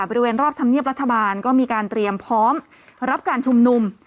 บริเวณรอบธรรมเนียบรัฐบาลก็มีการเตรียมพร้อมรับการชุมนุม